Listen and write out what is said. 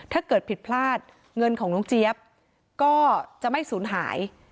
ถ้าเกิดผิดพลาดเงินของน้องเจี๊ยบก็จะไม่สูญหาย